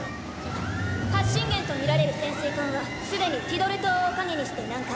発信源とみられる潜水艦はすでにティドル島を陰にして南下。